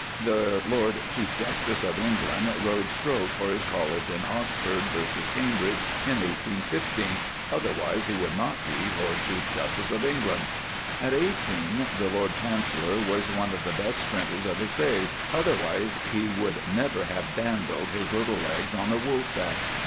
The Lord Chief Justice of England rowed stroke for his college in Oxford v. Cambridge in 1815, otherwise he would not be Lord Chief Justice of England. At eighteen the Lord Chancellor was one of the best sprinters of his day, otherwise he would never have dandled his little legs on the Woolsack.